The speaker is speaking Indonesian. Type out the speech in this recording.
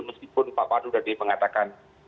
meskipun pak pandu tadi mengatakan